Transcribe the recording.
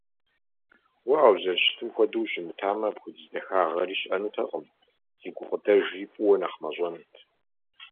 Уэ а узэрыщытым хуэдэу ущымытамэ, апхуэдиз дахагъэри щыӀэнутэкъым, си гукъыдэжри фӀыуэ нэхъ мащӀэнут.